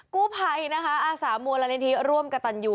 กู้ภัยนะคะอาสามูลนิธิร่วมกับตันยู